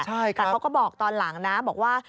แต่เขาก็บอกตอนหลังนะบอกว่า